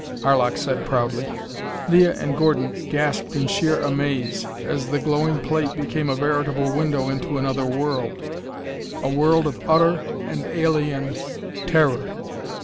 Arlok said proudly. Leah and Gordon gasped in sheer amaze as the glowing plate became a veritable window into another world a world of utter and alien terror.